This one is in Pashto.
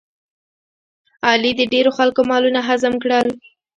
علي د ډېرو خلکو مالونه هضم کړل.